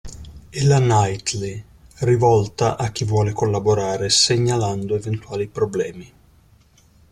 E la Nightly, rivolta a chi vuole collaborare segnalando eventuali problemi.